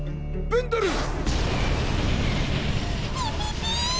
ブンドル団！